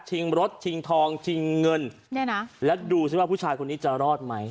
ชิงรถชิงทองชิงเงินและดูว่าผู้ชายคนนี้จะรอดไหม